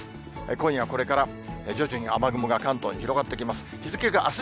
今夜これから、徐々に雨雲が関東に広がってきます。